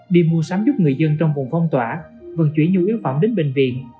đi mua sắm giúp người dân trong vùng phong tỏa vận chuyển nhu yếu phẩm đến bệnh viện